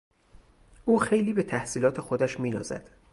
او خیلی به تحصیلات خودش مینازد.